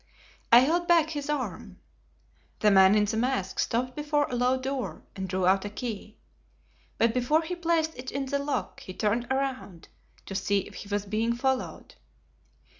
I held back his arm. The man in the mask stopped before a low door and drew out a key; but before he placed it in the lock he turned around to see if he was being followed.